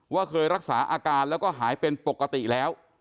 เคยรักษาอาการแล้วก็หายเป็นปกติแล้ว